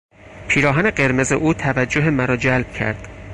پیراهن قرمز او توجه مرا جلب کرد.